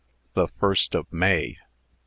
THE FIRST OF MAY. Mr.